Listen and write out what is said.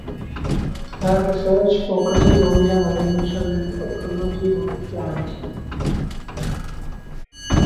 Her research focuses on the evolution and ecology of plants.